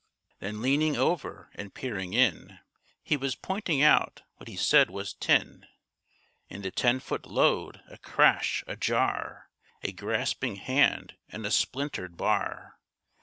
Then leaning over and peering in, He was pointing out what he said was tin In the ten foot lode—a crash! a jar! A grasping hand and a splintered bar.